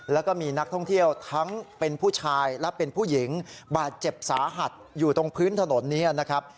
แล้วก็มีนักท่องเที่ยวทั้งเป็นผู้ชายและเป็นผู้หญิงบาดเจ็บสาหัสอยู่ตรงพื้นถนนนี้นะครับ